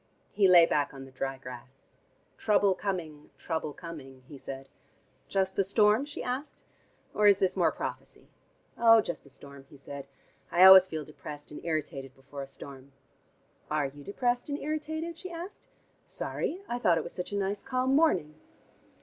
He lay back on the dry grass. "Trouble coming, trouble coming," he said. "Just the storm?" she asked. "Or is this more prophecy?" "Oh, just the storm," he said. "I always feel depressed and irritated before a storm." "Are you depressed and irritated?" she asked. "Sorry. I thought it was such a nice, calm morning."